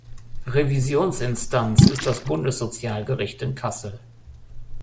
Revisionsinstanz ist das Bundessozialgericht in Kassel.